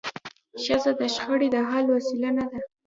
ښځه د شخړي د حل وسیله نه ده.